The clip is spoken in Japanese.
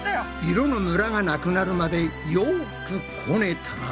色のムラがなくなるまでよくこねたら。